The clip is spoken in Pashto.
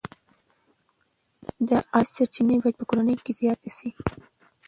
د عاید سرچینې باید په کورنیو کې زیاتې شي.